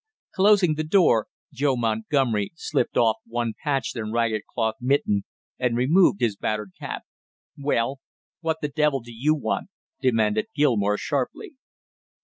Closing the door Joe Montgomery slipped off one patched and ragged cloth mitten and removed his battered cap. "Well, what the devil do you want?" demanded Gilmore sharply.